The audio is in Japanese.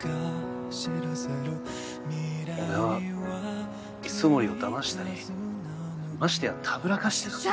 俺は磯森をだましたりましてやたぶらかしてなんて。